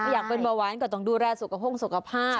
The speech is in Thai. อยากเป็นเบาหวานก็ต้องดูแลสุขภาพ